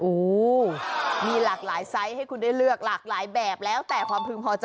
โอ้โหมีหลากหลายไซส์ให้คุณได้เลือกหลากหลายแบบแล้วแต่ความพึงพอใจ